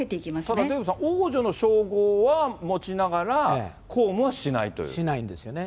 ただデーブさん、王女の称号は持ちながら、公務はしないといしないんですよね。